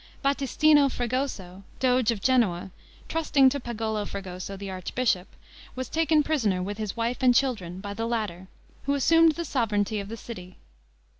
Battistino Fregoso, doge of Genoa, trusting to Pagolo Fregoso, the archbishop, was taken prisoner, with his wife and children, by the latter, who assumed the sovereignty of the city.